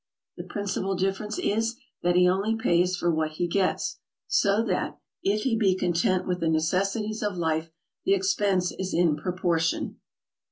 The principal differ ence is that he only pays for what he gets, so that, if he be content with the necessities of life, the expense is in propor tion.